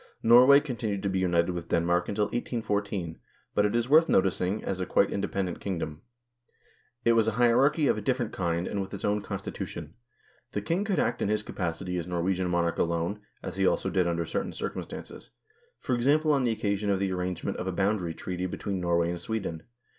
Norway continued to be united with Denmark until 1814, but, it is worth noticing, as a quite independent kingdom ; it was a hierarchy of a different kind and HISTORICAL INTRODUCTION 7 with its own constitution. 1 The king could act in his capacity as Norwegian monarch alone, as he also did under certain circumstances ; for example, on the occasion of the arrangement of a boundary treaty between Norway and Sweden.